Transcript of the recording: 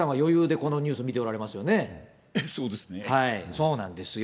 そうなんですよ。